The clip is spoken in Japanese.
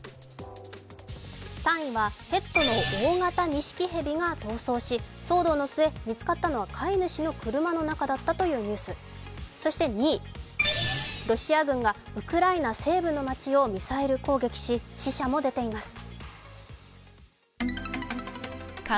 ３位は、ペットの大型にしきへびが逃走し、騒動の末見つかったのは飼い主の車の中だったというニュース、そして２位、ロシア軍がウクライナ西部の街をミサイル攻撃し死者も出ています。